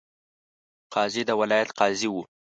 قاضي د ولایت قاضي وو.